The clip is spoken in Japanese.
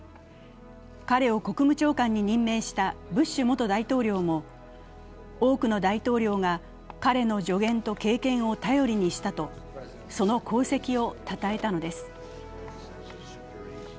彼を国務長官に任命したブッシュ元大統領も、多くの大統領が彼の助言と経験を頼りにしたたおその功績をたたえたのです。